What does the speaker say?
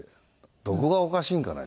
「どこがおかしいんかね？」